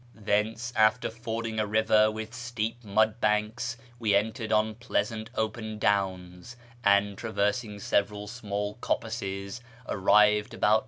FROM KIRMAn to ENGLAND 565 Thence, after fording a river with steep mud banks, we entered on pleasant open downs, and, traversing several small coppices, arrived about 10.